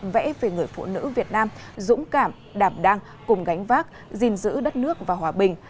vẽ về người phụ nữ việt nam dũng cảm đảm đang cùng gánh vác gìn giữ đất nước và hòa bình